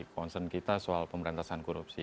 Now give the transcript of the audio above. concern kita soal pemberantasan korupsi